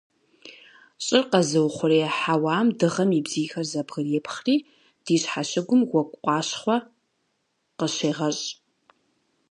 Щӏыр къэзыухъуреихь хьэуам Дыгъэм и бзийхэр зэбгрепхъри ди щхьэщыгум уэгу къащхъуэ къыщегъэщӏ.